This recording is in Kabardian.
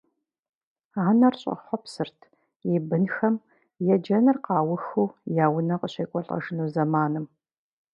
Анэр щӏэхъуэпсырт и бынхэм еджэныр къаухыу я унэ къыщекӏуэлӏэжыну зэманым.